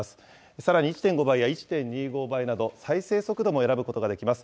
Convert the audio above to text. さらに１．５倍や１．２５倍など、再生速度も選ぶことができます。